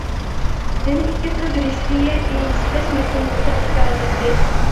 يەنە ئىككى قىز رېشىلىيە ئىشلەش ماشىنىسىدا ئىشلەۋاتاتتى.